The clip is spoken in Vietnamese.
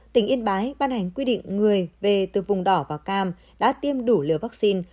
tỉnh yên bái ban hành quy định người về từ vùng đỏ và cam đã tiêm đủ liều vaccine